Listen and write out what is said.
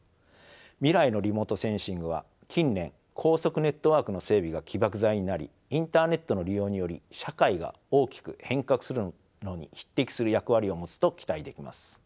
未来のリモートセンシングは近年高速ネットワークの整備が起爆剤になりインターネットの利用により社会が大きく変革するのに匹敵する役割を持つと期待できます。